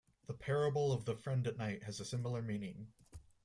The parable of the Friend at Night has a similar meaning.